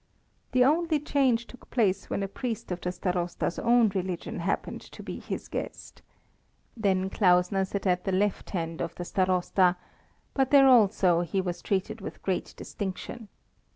The only change took place when a priest of the Starosta's own religion happened to be his guest. Then Klausner sat at the left hand of the Starosta, but there also he was treated with great distinction.